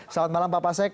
selamat malam pak pasek